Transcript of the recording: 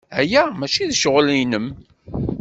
Aya maci d ccɣel-nnem.